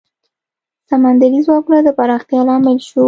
سمندري ځواک د پراختیا لامل شو.